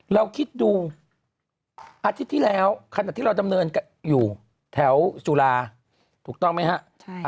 เราคิดดูอาทิตย์ที่แล้วขณะที่เราดำเนินอยู่แถวจุฬาถูกต้องไหมฮะ